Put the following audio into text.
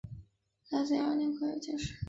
嘉靖二年癸未科进士。